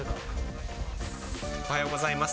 おはようございます。